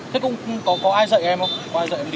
thế có ai dạy em không